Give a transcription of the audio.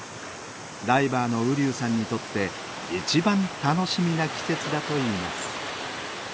ダイバーの瓜生さんにとって一番楽しみな季節だといいます。